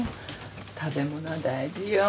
食べ物は大事よ。